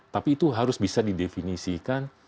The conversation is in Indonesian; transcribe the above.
tapi itu harus bisa di definisikan